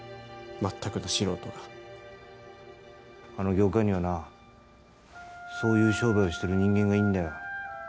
全くの素人があの業界にはなそういう商売をしてる人間がいるんだよ